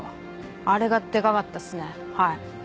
あれがでかかったっすねはい」